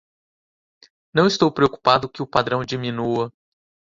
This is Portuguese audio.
Não estou preocupado que o padrão diminua.